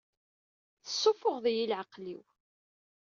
Tessufuɣeḍ-iyi i leɛqel-iw!